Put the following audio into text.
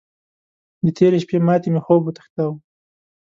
د تېرې شپې ماتې مې خوب وتښتاوو.